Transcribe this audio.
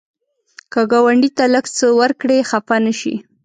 که ګاونډي ته لږ څه ورکړې، خفه نشي